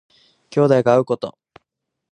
兄弟が会うこと。